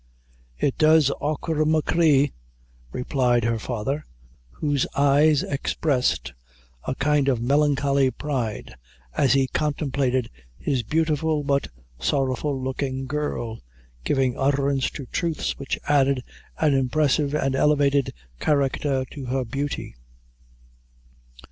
"It does, achora machree," replied her father, whose eyes expressed a kind of melancholy pride, as he contemplated his beautiful but sorrowful looking girl, giving utterance to truths which added an impressive and elevated character to her beauty.